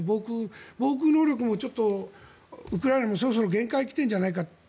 防空能力もウクライナもそろそろ限界来ているんじゃないかって。